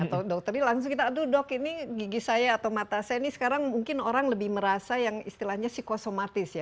atau dokter ini langsung kita aduh dok ini gigi saya atau mata saya ini sekarang mungkin orang lebih merasa yang istilahnya psikosomatis ya